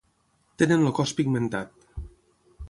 Tenen el cos pigmentat.